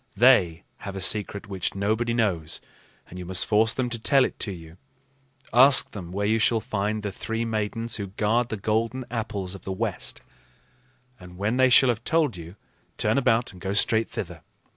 They have a secret which nobody knows, and you must force them to tell it to you. Ask them where you shall find the three Maidens who guard the golden apples of the West; and when they shall have told you, turn about and go straight thither.